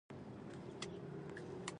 خو ته همدې سودا ته مارکېټ جوړوې.